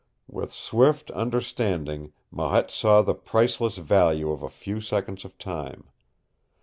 With swift understanding Marette saw the priceless value of a few seconds of time.